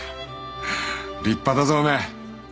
立派だぞ梅。